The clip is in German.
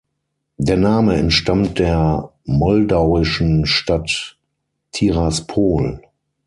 Der Name entstammt der moldauischen Stadt Tiraspol.